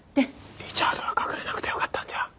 リチャードは隠れなくてよかったんじゃ？